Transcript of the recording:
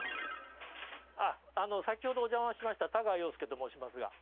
あっ先ほどおじゃましました太川陽介と申しますが。